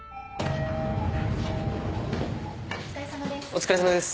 お疲れさまです。